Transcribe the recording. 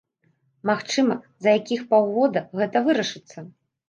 Магчыма, за якіх паўгода гэта вырашыцца.